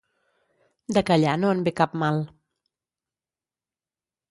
De callar no en ve cap mal.